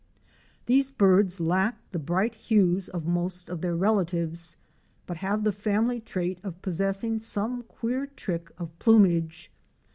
These birds lack the bright hues of most of their relatives, but have the family trait of possessing some queer trick of plumage.